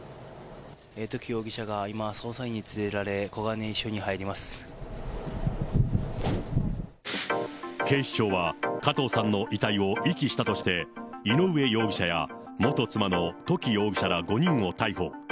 土岐容疑者が今、捜査員に連れられ、警視庁は、加藤さんの遺体を遺棄したとして、井上容疑者や、元妻の土岐容疑者ら５人を逮捕。